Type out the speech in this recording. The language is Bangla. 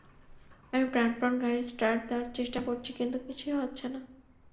আমি প্রাণপণ গাড়ি স্টার্ট দেয়ার চেষ্টা করছি কিন্তু কিছুই হচ্ছে না।